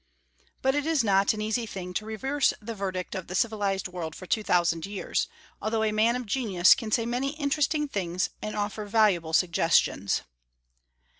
But it is not an easy thing to reverse the verdict of the civilized world for two thousand years, although a man of genius can say many interesting things and offer valuable suggestions.